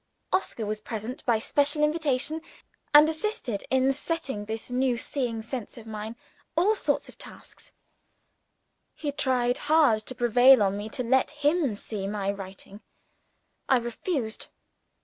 Oscar was present by special invitation, and assisted the old lady in setting this new seeing sense of mine all sorts of tasks. He tried hard to prevail on me to let him see my writing. I refused.